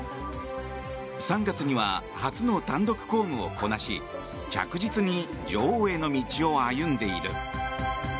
３月には初の単独公務をこなし着実に女王への道を歩んでいる。